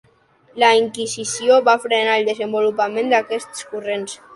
La Inquisició va frenar el desenvolupament d'aquests corrents.